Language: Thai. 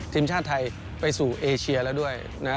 ทีมชาติไทยไปสู่เอเชียแล้วด้วยนะฮะ